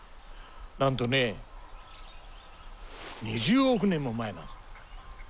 なんとね２０億年も前なんです。